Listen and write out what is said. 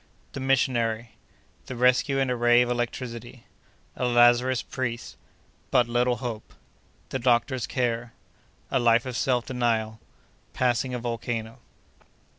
—The Missionary.—The Rescue in a Ray of Electricity.—A Lazarist Priest.—But little Hope.—The Doctor's Care.—A Life of Self Denial.—Passing a Volcano.